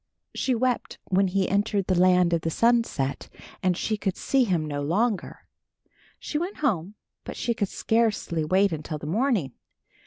She wept when he entered the land of the sunset and she could see him no longer. She went home, but she could scarcely wait until the morning.